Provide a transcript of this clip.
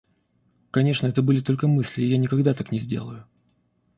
Конечно, это были только мысли, и я никогда не сделаю.